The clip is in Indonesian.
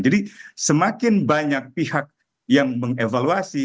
jadi semakin banyak pihak yang mengevaluasi